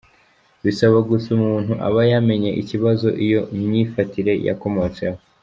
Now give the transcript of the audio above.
Bisaba gusa ko umuntu aba yamenye ikibazo iyo myifatire yakomotseho.